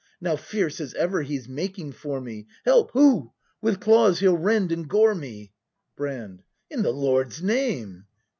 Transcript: ] Now fierce as ever he's making for me. Help! Hoo! With claws he'll rend and gore me. Brand. In the Lord's name